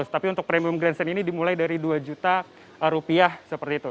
tapi untuk premium grandstand ini dimulai dari rp dua seperti itu